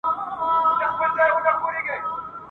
د میني کور وو د فتح او د رابیا کلی دی !.